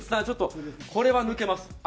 ちょっとこれは抜けます